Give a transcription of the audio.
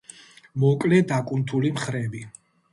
მოკლე დაკუნთული მხრები.